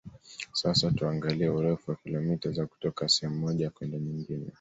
Sasa tuangalie urefu wa kilomita za kutoka sehemu moja kwenda nyingine